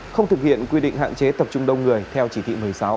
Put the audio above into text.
không thực hiện quy định hạn chế tập trung đông người theo chỉ thị một mươi sáu